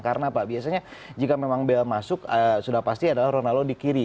karena apa biasanya jika memang bale masuk sudah pasti adalah ronaldo di kiri